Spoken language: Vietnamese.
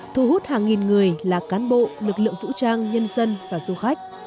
thu hút hàng nghìn người là cán bộ lực lượng vũ trang nhân dân và du khách